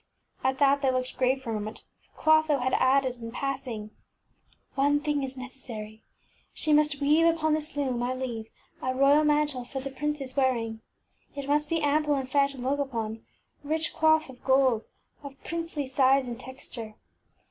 ŌĆÖ At that they looked grave for a moment, for Clotho had added in pass ing, ŌĆś One thing is neces sary. She must weave upon this loom I leave a royal mantle for the princeŌĆÖs wearing. It must be ample and fair to look upon, rich cloth of gold, of princely size and text ure.